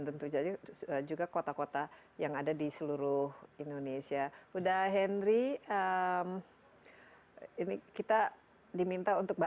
tentu jadi juga kota kota yang ada di seluruh indonesia udah henry ini kita diminta untuk